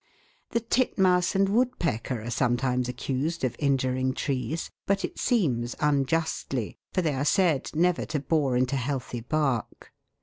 The titmouse and woodpecker are sometimes accused of injuring trees, but it seems unjustly, for they are said never to bore into healthy bark.